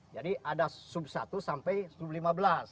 jadi ada sub satu sampai sub lima belas